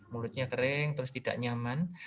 mulutnya kering terus tidak nyaman